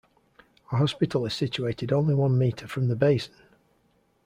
A hospital is situated only one metre from the basin.